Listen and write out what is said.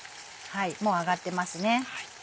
もう揚がってますね。